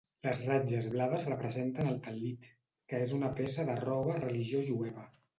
Les ratlles blaves representen el tal·lit, que és una peça de roba religió jueva.